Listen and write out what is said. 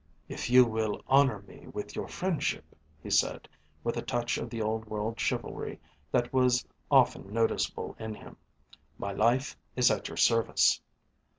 "If you will honour me with your friendship," he said, with a touch of the old world chivalry that was often noticeable in him, "my life is at your service."